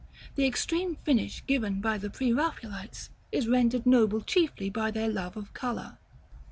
The extreme finish given by the Pre Raphaelites is rendered noble chiefly by their love of color.